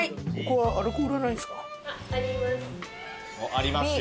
ありますよ。